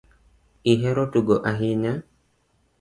Ihero tugo ahinya